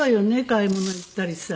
買い物に行ったりさ。